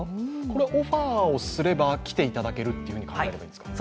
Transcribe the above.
オファーをすればきていただけるという形なんですか？